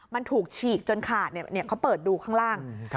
มันถูกฉีกจนขาดเขาเปิดดูข้างล่าง